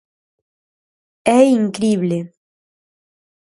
É incrible...